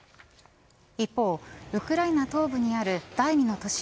一方、ウクライナ南東部にある第２の都市